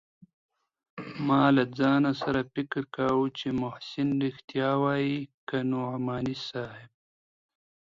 ما له ځان سره فکر کاوه چې محسن رښتيا وايي که نعماني صاحب.